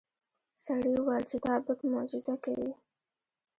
سړي وویل چې دا بت معجزه کوي.